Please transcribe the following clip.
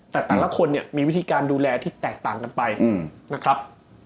แต่แต่ละคนเนี่ยมีวิธีการดูแลที่แตกต่างกันไปนะครับ